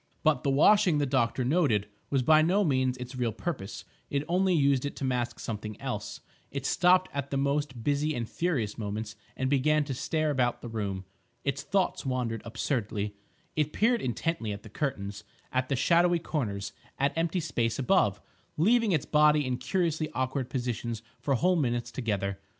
But the washing, the doctor noted, was by no means its real purpose; it only used it to mask something else; it stopped at the most busy and furious moments and began to stare about the room. Its thoughts wandered absurdly. It peered intently at the curtains; at the shadowy corners; at empty space above; leaving its body in curiously awkward positions for whole minutes together.